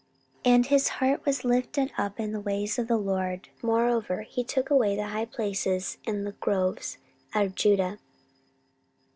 14:017:006 And his heart was lifted up in the ways of the LORD: moreover he took away the high places and groves out of Judah.